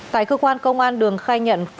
tại cơ quan công an đường khai